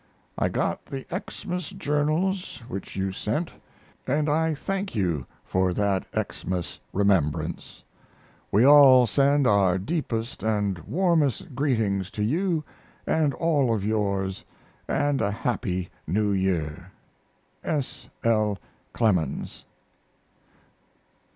I got the Xmas journals which you sent and I thank you for that Xmas remembrance. We all send our deepest and warmest greetings to you and all of yours and a Happy New Year! S. L. CLEMENS.